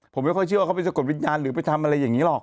ผมไม่ค่อยเชื่อว่าเขาไปสะกดวิญญาณหรือไปทำอะไรอย่างนี้หรอก